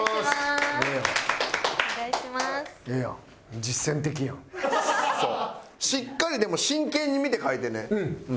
しっかりでも真剣に見て描いてね。